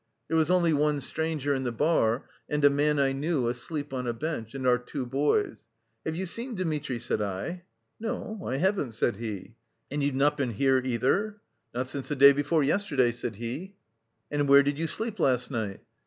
There was only one stranger in the bar and a man I knew asleep on a bench and our two boys. "Have you seen Dmitri?" said I. "No, I haven't," said he. "And you've not been here either?" "Not since the day before yesterday," said he. "And where did you sleep last night?"